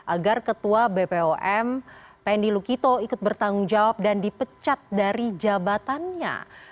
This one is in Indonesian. agar ketua bpom pendi lukito ikut bertanggung jawab dan dipecat dari jabatannya